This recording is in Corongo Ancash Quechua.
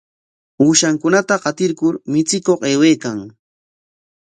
Ushankunata qatirkur michikuq aywaykan.